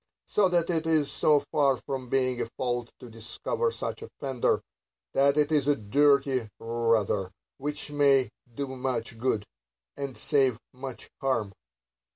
So that it is so far from being a fault to discover such offenders, that it is a duty rather ; which may do much good, and save much harm.